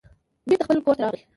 بېرته خپل کور ته راغی.